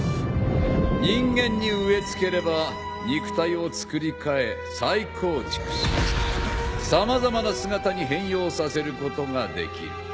人間に植え付ければ肉体をつくり替え再構築し様々な姿に変容させることができる。